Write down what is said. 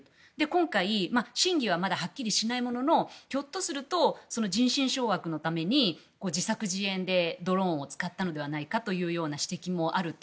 今回、真偽はまだはっきりしないもののひょっとすると人心掌握のために自作自演でドローンを使ったのではないかというような指摘もあると。